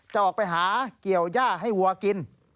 จะออกไปหาเกี่ยวย่าให้วัวกิน